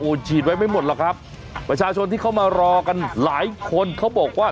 ฉีดไว้ไม่หมดหรอกครับประชาชนที่เข้ามารอกันหลายคนเขาบอกว่า